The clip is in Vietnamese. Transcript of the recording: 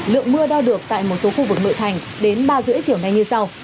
lượng mưa đo được tại một số khu vực nội thành đến ba năm chiều nay như sau